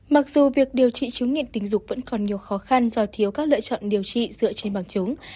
mặc dù việc điều trị chứng nghiện tình dục vẫn còn nhiều khó khăn do thiếu các lựa chọn điều trị dựa trên bằng chúng